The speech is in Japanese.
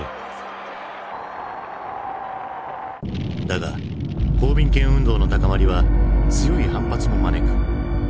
だが公民権運動の高まりは強い反発も招く。